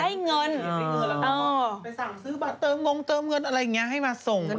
ไปสั่งซื้อบัตรเติมงงเติมเงินอะไรอย่างนี้ให้มาส่งได้อย่างนี้